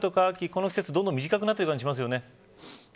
この季節がどんどん短くなってる感じがしますよね。